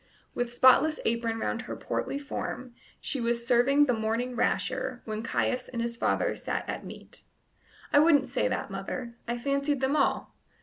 With spotless apron round her portly form she was serving the morning rasher while Caius and his father sat at meat. "I wouldn't say that, mother: I fancied them all."